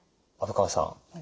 虻川さん